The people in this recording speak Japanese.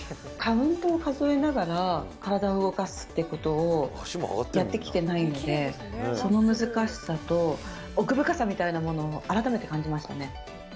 カウントを数えながら体を動かすってことをやってきてないので、その難しさと奥深さみたいなものを改めて感じましたね。